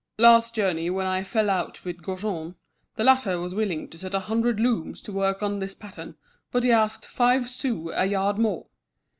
Last journey when I fell out with Gaujean, the latter was willing to set a hundred looms to work on this pattern, but he asked five sous a yard more."